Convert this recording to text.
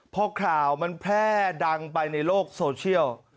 พอข่าวมันแพร่ดังไปในโลกโซเชียล